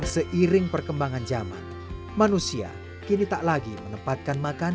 seiring perkembangan zaman manusia kini tak lagi menempatkan makan